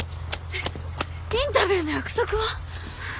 インタビューの約束は？